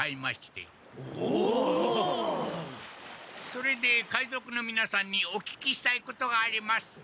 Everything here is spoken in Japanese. それで海賊のみなさんにお聞きしたいことがあります。